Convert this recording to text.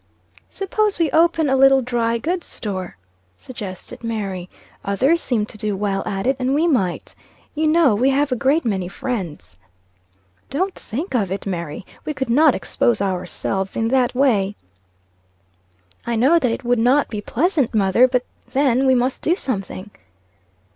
"Suppose we open a little dry goods' store?" suggested Mary. "Others seem to do well at it, and we might. You know we have a great many friends." "Don't think of it, Mary! We could not expose ourselves in that way." "I know that it would not be pleasant, mother; but, then, we must do something."